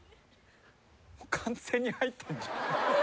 完全に入ってんじゃん。